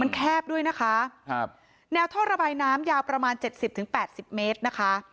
มันแคบด้วยนะคะครับแนวท่อระบายน้ำยาวประมาณเจ็ดสิบถึงแปดสิบเมตรนะคะ